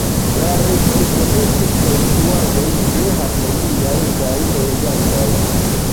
La rezulto estis konstruaĵoj tre harmoniaj kaj elegantaj.